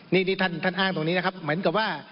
นี่ที่ท่านอ้างตรงนี้นะครับเหมือนกับว่า